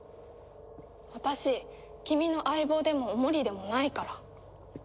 私君の相棒でもお守りでもないから。